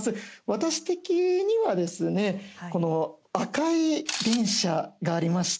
私的にはですねこの赤い電車がありまして。